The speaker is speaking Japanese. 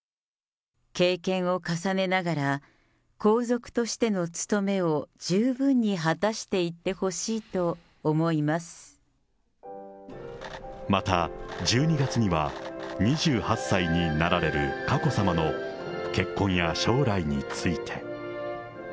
経験を重ねながら皇族としての務めを十分に果たしていってほしいまた、１２月には２８歳になられる佳子さまの結婚や将来について。